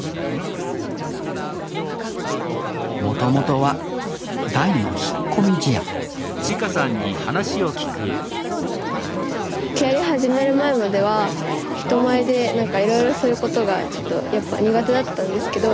もともとは大の引っ込み思案木遣り始める前までは人前でなんかいろいろすることがちょっとやっぱ苦手だったんですけど。